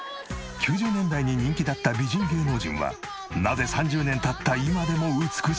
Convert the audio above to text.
９０年代に人気だった美人芸能人はなぜ３０年経った今でも美しいのか？